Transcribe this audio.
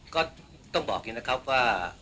ก็ต้องบอกอย่างนี้นะครับว่า